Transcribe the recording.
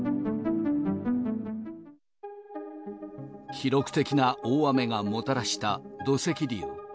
記録的な大雨がもたらした土石流。